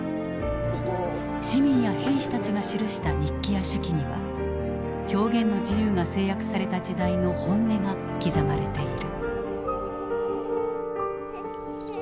市民や兵士たちが記した日記や手記には表現の自由が制約された時代の本音が刻まれている。